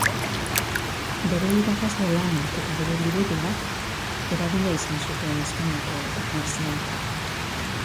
Bere irakasle-lanak eta bere liburuak eragina izan zuten Espainiako Errenazimentuan.